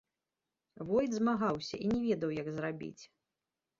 Войт змагаўся і не ведаў, як зрабіць.